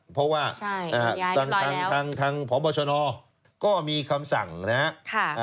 เพราะว่าทางพบชนก็มีคำสั่งนะครับ